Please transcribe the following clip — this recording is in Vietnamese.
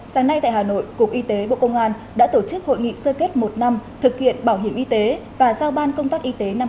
sáng nay tại hà nội cục y tế bộ công an đã tổ chức hội nghị sơ kết một năm thực hiện bảo hiểm y tế và giao ban công tác y tế năm hai nghìn hai mươi ba